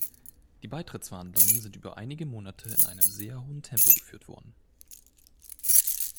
Die Beitrittverhandlungen sind über einige Monate in einem sehr hohen Tempo geführt worden.